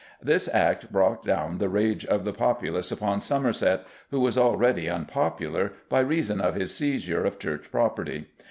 This act brought down the rage of the populace upon Somerset, who was already unpopular by reason of his seizure of Church property.